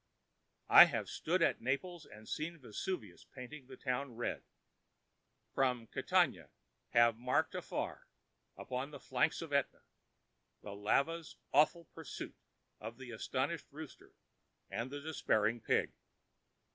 I have stood at Naples and seen Vesuvius painting the town red—from Catania have marked afar, upon the flanks of ûtna, the lava's awful pursuit of the astonished rooster and the despairing pig.